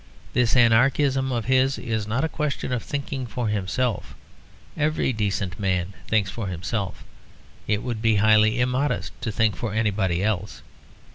This anarchism of his is not a question of thinking for himself; every decent man thinks for himself; it would be highly immodest to think for anybody else.